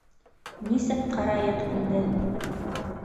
Нисек ҡарайыҡ инде?